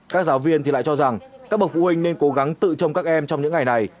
các giáo viên thì lại cho rằng các bậc phụ huynh nên cố gắng tự trồng các em trong những ngày này